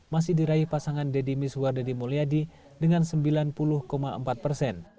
masih diraih pasangan deddy miswar deddy mulyadi dengan sembilan puluh empat persen